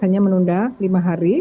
hanya menunda lima hari